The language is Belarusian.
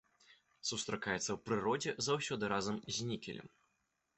Сустракаецца ў прыродзе заўсёды разам з нікелем.